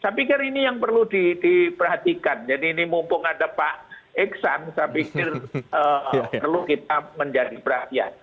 saya pikir ini yang perlu diperhatikan jadi ini mumpung ada pak iksan saya pikir perlu kita menjadi perhatian